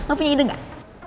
lo punya ide gak